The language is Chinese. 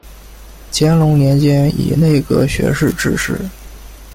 乾隆年间以内阁学士致仕。